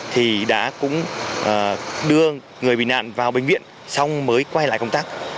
thì đã cũng đưa người bị nạn vào bệnh viện xong mới quay lại công tác